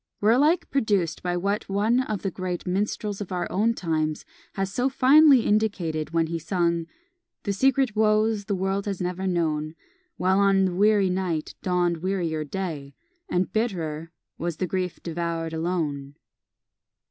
were alike produced by what one of the great minstrels of our own times has so finely indicated when he sung The secret woes the world has never known; While on the weary night dawn'd wearier day, And bitterer was the grief devour'd alone.